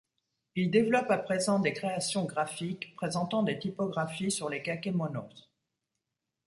Il développe à présent des créations graphiques, présentant des typographies sur les kakemonos.